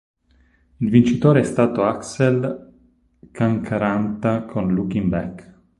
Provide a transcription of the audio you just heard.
Il vincitore è stato Aksel Kankaanranta con "Looking Back".